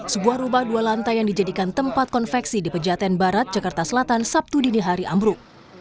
sebuah rumah dua lantai yang dijadikan tempat konveksi di pejaten barat jakarta selatan sabtu dini hari ambruk